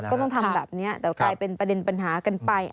ต้องทำแบบนี้แต่กลายเป็นประเด็นปัญหากันไป